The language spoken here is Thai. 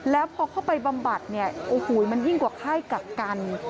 แล้วพอเข้าไปบำบัดมันยิ่งกว่าไข้กักกัน